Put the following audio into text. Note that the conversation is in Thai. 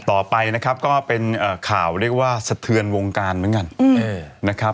ต่อไปนะครับก็เป็นข่าวเรียกว่าสะเทือนวงการเหมือนกันนะครับ